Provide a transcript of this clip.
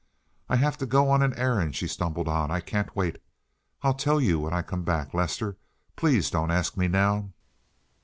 "I have to go on an errand," she stumbled on. "I—I can't wait. I'll tell you when I come back, Lester. Please don't ask me now."